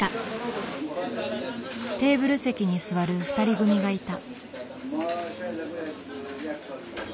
テーブル席に座る２人組がいた。